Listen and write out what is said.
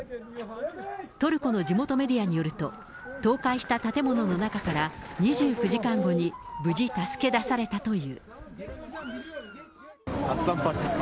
トルコの地元メディアによると、倒壊した建物の中から、２９時間後に無事助け出されたという。